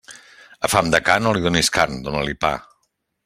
A fam de ca, no li donis carn, dóna-li pa.